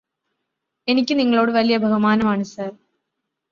എനിക്കു നിങ്ങളോട് വലിയ ബഹുമാനമാണ് സര്